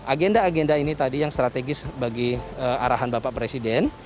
agenda agenda ini tadi yang strategis bagi arahan bapak presiden